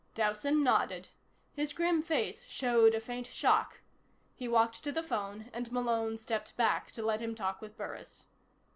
Dowson nodded. His grim face showed a faint shock. He walked to the phone, and Malone stepped back to let him talk with Burris.